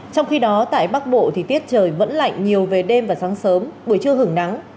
trong khi đó tại bắc bộ thì tiết trời vẫn lạnh nhiều về đêm và sáng sớm buổi trưa hứng nắng